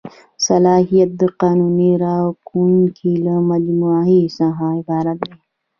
صلاحیت د قانوني واکونو له مجموعې څخه عبارت دی.